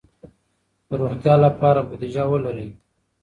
د روغتیا لپاره بودیجه ولرئ.